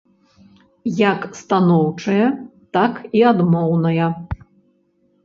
Як станоўчая, так і адмоўная.